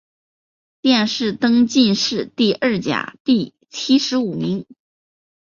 殿试登进士第二甲第七十五名。